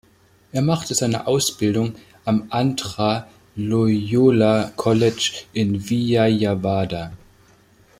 Er machte seine Ausbildung am Andhra Loyola College in Vijayawada.